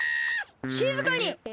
しずかに！